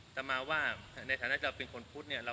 แต่มาว่าในฐานะเราเป็นคนพุทธเนี่ย